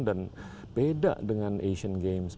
dan beda dengan asian games